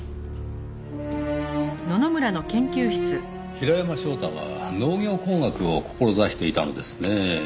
平山翔太は農業工学を志していたのですね。